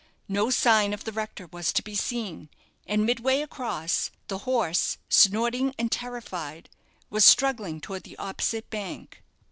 No sign of the rector was to be seen; and midway across, the horse, snorting and terrified, was struggling towards the opposite bank.